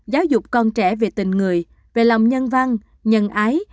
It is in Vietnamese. giáo dục con trẻ về tình người về lòng nhân văn nhân ái